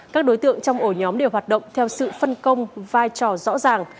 các đối tượng trong ổ nhóm đều hoạt động theo sự phân công vai trò rõ ràng